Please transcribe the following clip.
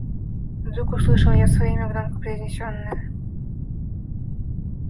Вдруг услышал я свое имя, громко произнесенное.